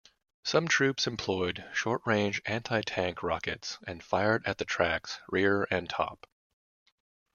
Some troops employed short-range anti-tank rockets and fired at the tracks, rear and top.